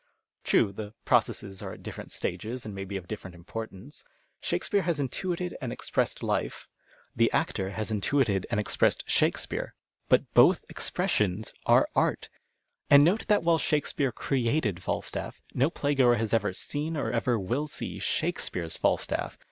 True, the processes are at different stages, and may be of different imi)()rtanee. Shake speare has intuited and expressed lite, the actor has 103 PASTICHK AND PUEJUDUK intuited and expressed Shakespeare, But both expressions arc art. And note that wliile Shakespeare " created " Falstaff, no playgoer has ever seen or ever will see Shakespeare's Falstaff.